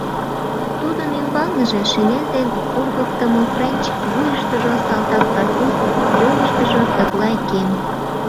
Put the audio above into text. Тудын ӱмбалныже шинель дене ургыктымо френч, вуйыштыжо салтак картуз, йолыштыжо тыглай кем.